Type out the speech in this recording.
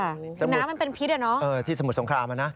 น้ำมันเป็นพิษอ่ะเนาะ